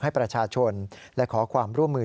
ให้ประชาชนและขอความร่วมมือ